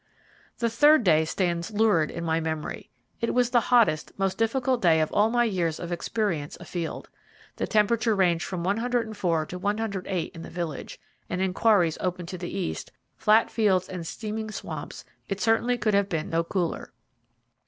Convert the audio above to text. The third day stands lurid in my memory. It was the hottest, most difficult day of all my years of experience afield. The temperature ranged from 104 to 108 in the village, and in quarries open to the east, flat fields, and steaming swamps it certainly could have been no cooler.